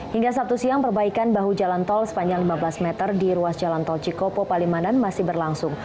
hingga sabtu siang perbaikan bahu jalan tol sepanjang lima belas meter di ruas jalan tol cikopo palimanan masih berlangsung